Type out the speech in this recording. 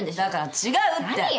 だから違うって！